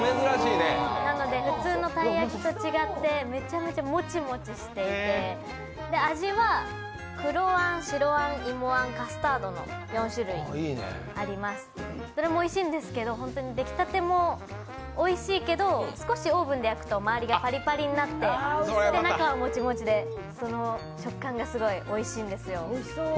なので普通のたい焼きと違ってめちゃめちゃもちもちしていて味は、黒あん、白あん、芋あん、カスタードの４種類があってどれもおいしいんですけど、出来たてもおいしいけど少しオーブンで焼くと周りがパリパリになって、中はもちもちでその食感がすごいおいしいんですよ。